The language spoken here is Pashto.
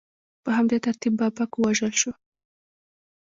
په همدې ترتیب بابک ووژل شو.